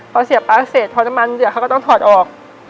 พอเสียป๊าเสร็จพอน้ำมันเดือดเขาก็ต้องถอดออก